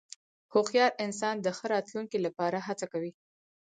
هوښیار انسان د ښه راتلونکې لپاره هڅه کوي.